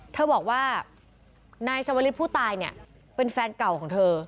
เธอบอกว่านายชาวลิศผู้ตายเนี่ยเป็นแฟนเก่าของเธอ